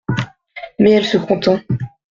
Mais elle se contint.